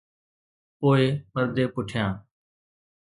پوءِ پردي پٺيان.